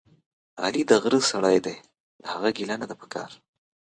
علي دغره سړی دی، له هغه ګیله نه ده پکار.